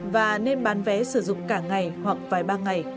và nên bán vé sử dụng cả ngày hoặc vài ba ngày